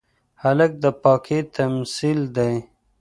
هلک د پاکۍ تمثیل دی.